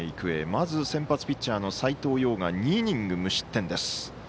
まず先発ピッチャーの斎藤蓉が２イニング無失点です。